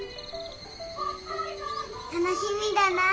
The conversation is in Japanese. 楽しみだな。